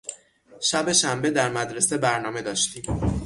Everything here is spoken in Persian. شب شنبه در مدرسه برنامه داشتیم.